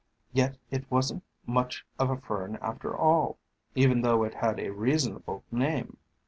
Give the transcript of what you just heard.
yet it was n't much of a Fern after all, even though it had a reasonable name.